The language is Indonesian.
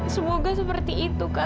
semoga seperti itu kak